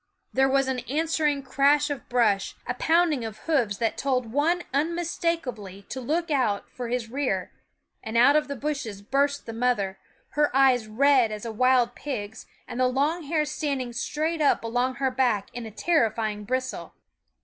There was an answering crash of brush, a pounding of 270 l/mwienaw/s 53 SCHOOL OF hoofs that told one unmistakably to look out for his rear, and out of the bushes burst the mother, her eyes red as a wild pig's, and the long hair standing straight up along her back in a terrifying bristle.